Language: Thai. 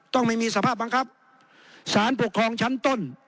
ต้องไม่มีสภาพบังคับสารปกครองชั้นต้น